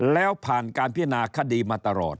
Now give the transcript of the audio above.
แล้วผ่านการพินาคดีมาตลอด